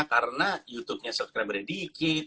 karena youtube nya subscribernya dikit